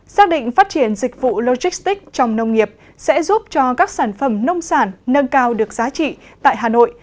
xác định phát triển dịch vụ logistics trong nông nghiệp sẽ giúp cho các sản phẩm nông sản nâng cao được giá trị tại hà nội